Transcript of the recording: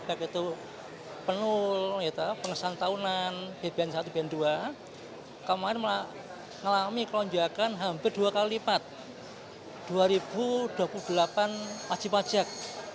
baik itu penul penghasilan tahunan bn satu bn dua kami melalui melonjakan hampir dua kali lipat dua ribu dua puluh delapan majib pajak